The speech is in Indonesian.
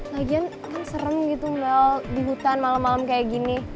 lagian kan serem gitu mel di hutan malem malem kayak gini